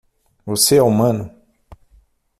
você é humano?